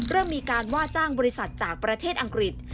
เริ่มมีการว่าจ้างบริษัทจากประเทศอังกฤษ